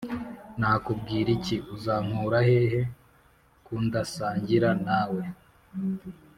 Nakubwiriki uzankurahehe kundasangira nawe